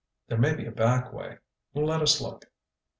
"There may be a back way. Let us look."